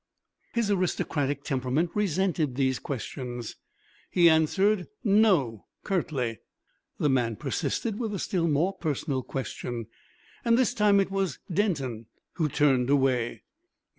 His aristocratic temperament resented these questions. He answered "No" curtly. The man persisted with a still more personal question, and this time it was Denton who turned away.